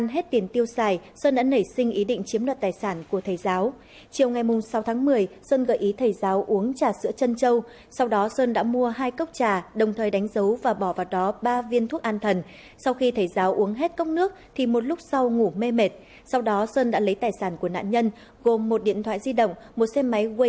hãy đăng ký kênh để ủng hộ kênh của chúng mình nhé